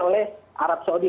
oleh arab saudi